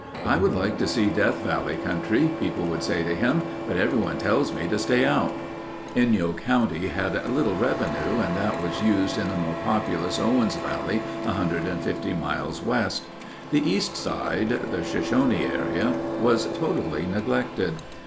"I would like to see Death Valley country," people would say to him, "but everyone tells me to stay out." Inyo county had little revenue and that was used in the more populous Owens Valley 150 miles west. The east side (the Shoshone area) was totally neglected.